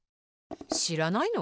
しらないの？